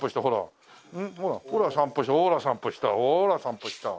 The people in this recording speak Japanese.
ほら散歩したほら散歩したほら散歩した！